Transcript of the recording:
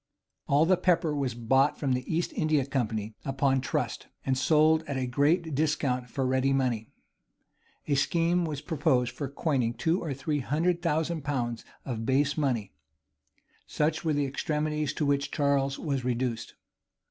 All the pepper was bought from the East India Company upon trust, and sold at a great discount for ready money.[v] A scheme was proposed for coining two or three hundred thousand pounds of base money:[v*] such were the extremities to which Charles was reduced.